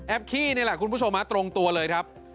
ขี้นี่แหละคุณผู้ชมตรงตัวเลยครับ